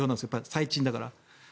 再賃だから。